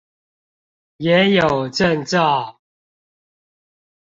也有證照